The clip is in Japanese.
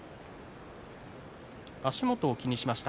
足元を気にしました